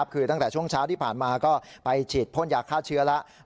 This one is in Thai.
คือตั้งแต่ช่วงเช้าที่ผ่านมาก็ไปฉีดพ่นยาฆ่าเชื้อแล้ว